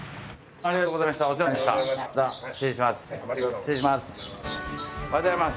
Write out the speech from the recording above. ありがとうございます。